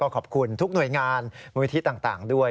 ขอบคุณทุกหน่วยงานมูลนิธิต่างด้วย